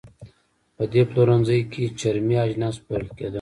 په دې پلورنځۍ کې چرمي اجناس پلورل کېدل.